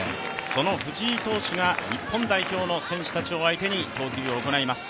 その藤井投手が日本代表の選手たちを相手に投球を行います。